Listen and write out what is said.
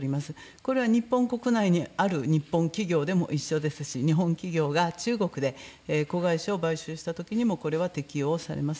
これは日本国内にある日本企業でも一緒ですし、日本企業が中国で子会社を買収したときにも、これは適用されます。